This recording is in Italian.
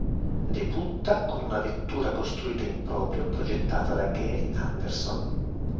Debutta con una vettura costruita in proprio progettata da Gary Anderson.